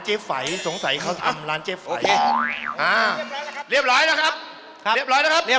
เฉินเลยครับโชว์